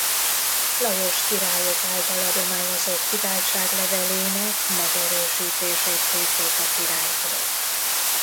Lajos királyok által adományozott kiváltságlevelének megerősítését kérték a királytól.